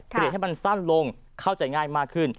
เปลี่ยนให้มันสั้นลงเข้าใจง่ายมากขึ้น